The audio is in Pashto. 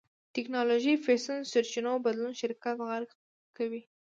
ټېکنالوژي فېشن سرچينو بدلون شرکت غرق کوي.